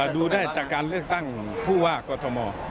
ดูได้จากการเลือกตั้งผู้ว่ากอทม